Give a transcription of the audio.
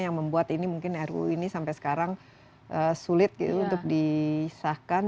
yang membuat ini mungkin ruu ini sampai sekarang sulit untuk disahkan